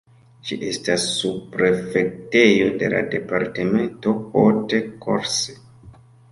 Ĝi estas subprefektejo de la departemento Haute-Corse.